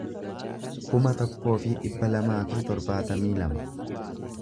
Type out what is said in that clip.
kuma tokkoo fi dhibba lamaa fi torbaatamii lama